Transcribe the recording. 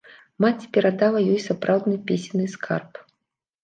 Маці перадала ёй сапраўдны песенны скарб.